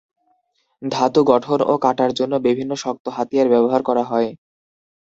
ধাতু গঠন ও কাটার জন্য বিভিন্ন শক্ত হাতিয়ার ব্যবহার করা হয়।